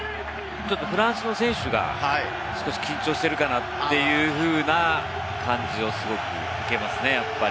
フランスの選手が少し緊張しているかなというふうな感じをすごく受けますね、やっぱり。